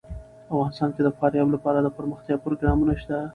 افغانستان کې د فاریاب لپاره دپرمختیا پروګرامونه شته.